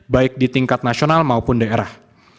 baik di tingkat nasional maupun daerah